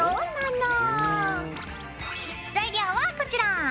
材料はこちら。